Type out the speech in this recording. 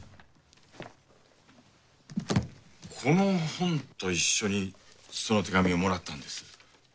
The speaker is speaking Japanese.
この本と一緒にその手紙をもらったんです。